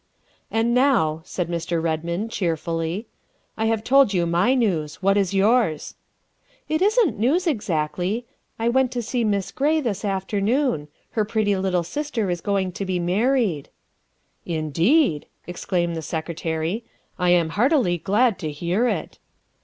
"And now," said Mr. Redmond cheerfully, " I've told you my news, what is yours ?''" It isn't news exactly. I went to see Miss Gray this afternoon. Her pretty little sister is going to be married. ''" Indeed," exclaimed the Secretary, " I am heartily glad to hear it!"